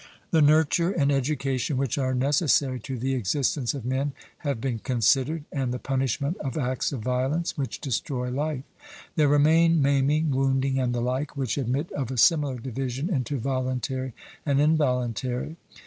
The nurture and education which are necessary to the existence of men have been considered, and the punishment of acts of violence which destroy life. There remain maiming, wounding, and the like, which admit of a similar division into voluntary and involuntary.